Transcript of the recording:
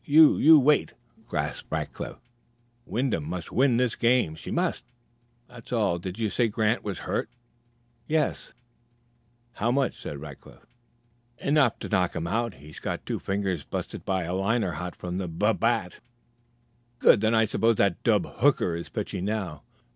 "You you wait!" gasped Rackliff. "Wyndham must win this game she just must, that's all. Did you say Grant was hurt?" "Yes." "How much?" "Enough to knock him out; he got two fingers busted by a liner hot from the bub bat." "Good! Then I suppose that dub Hooker is pitching now?"